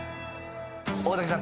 大竹さん